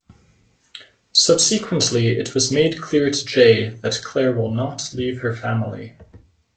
Subsequently it is made clear to Jay that Claire will not leave her family.